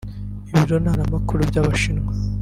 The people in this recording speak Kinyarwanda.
Ibiro ntaramakuru by’Abashinwa